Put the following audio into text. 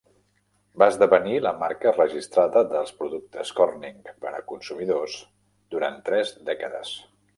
Va esdevenir la marca registrada dels productes Corning per a consumidors durant tres dècades.